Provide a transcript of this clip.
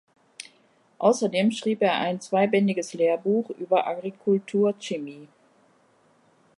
Außerdem schrieb er ein zweibändiges Lehrbuch über Agrikulturchemie.